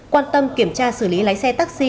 quan tâm kiểm tra xử lý lái xe taxi